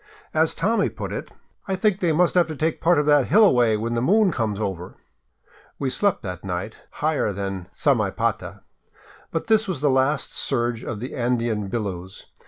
As Tommy put it, 538 ON FOOT ACROSS TROPICAL BOLIVIA " I think they must have to take part of that hill away when the moon comes over." We slept that night higher than Samaipata. But this was the last surge of the Andean billows.